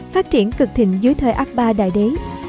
phát triển cực thịnh dưới thời akbar đại đế